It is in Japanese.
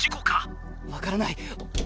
わからない！